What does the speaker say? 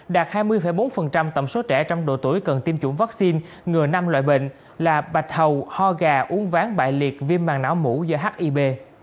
đạt hai mươi bốn tổng số trẻ trong độ tuổi cần tiêm chủng vaccine ngừa năm loại bệnh là bạch hầu ho gà uống ván bại liệt viêm màng não mũ do hib